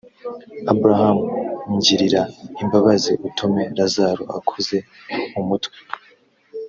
aburahamu ngirira imbabazi utume lazaro akoze umutwe